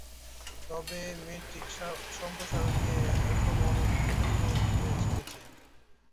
তবে মেট্রিক সম্প্রসারণ নিয়ে এখনও অনেক বিতর্ক রয়ে গেছে।